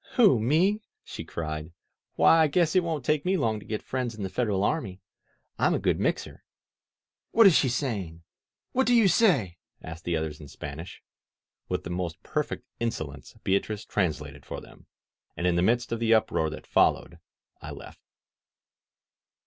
"Who, me?" she cried. "Why, I guess it won't take me long to get friends in the Federal army. I'm a good mixer !" "What is she saying? What do you say?" asked the others in Spanish. With the most perfect insolence Beatrice translated for them. And in the midst of the uproar that followed I left.